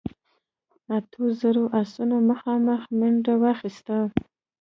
اتو زرو آسونو مخامخ منډه واخيسته.